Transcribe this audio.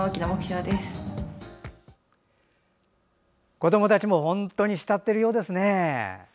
子どもたちも本当に慕っているようですね。